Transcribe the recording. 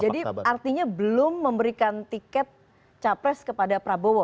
jadi artinya belum memberikan tiket capres kepada prabowo